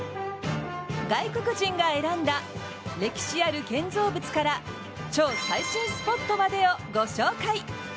外国人が選んだ歴史ある建造物から超最新スポットまでをご紹介。